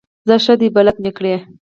ځه ښه دی بلد مې کړې.